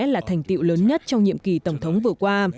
là thành tiệu lớn nhất trong nhiệm kỳ tổng thống vừa qua